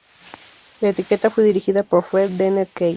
La etiqueta fue dirigida por Fred Dennett Key.